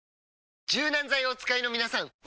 柔軟剤をお使いのみなさん！